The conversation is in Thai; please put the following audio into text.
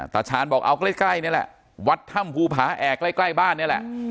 ตาชาญบอกเอาใกล้นี่แหละวัดถ้ำภูผาแอกใกล้บ้านนี่แหละ